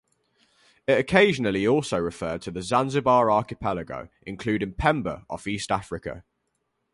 It occasionally also referred to the Zanzibar Archipelago including Pemba off East Africa.